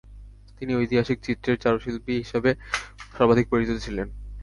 তিনি ঐতিহাসিক চিত্রের চারুশিল্পী হিসাবে সর্বাধিক পরিচিত ছিলেন।